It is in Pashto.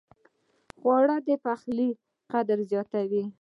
خوړل د پخلي قدر زیاتوي